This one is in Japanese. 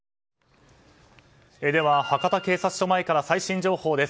では、博多警察署前から最新情報です。